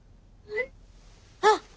あっ！